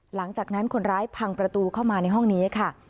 หลังจากนั้นคนร้ายพังประตูเข้ามาในห้องนี้ค่ะ